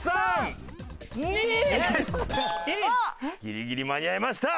ギリギリ間に合いました。